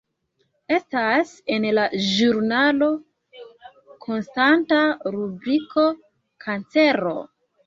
Estas en la ĵurnalo konstanta rubriko Kancero.